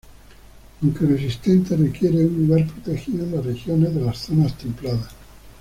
Aunque resistente, requiere un lugar protegido en las regiones de las zonas templadas.